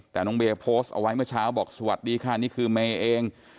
แต่น้องเบย์โพสต์เอาไว้เมื่อเช้าบอกสวัสดีค่ะนี่คือเมย์เอง